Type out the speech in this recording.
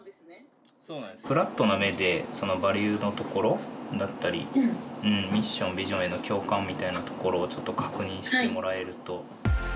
フラットな目でそのバリューのところだったりミッションビジョンへの共感みたいなところをちょっと確認してもらえると。